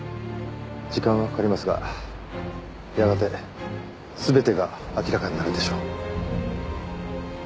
時間はかかりますがやがて全てが明らかになるでしょう。